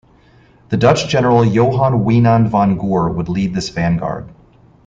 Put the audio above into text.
The Dutch General Johan Wijnand van Goor would lead this vanguard.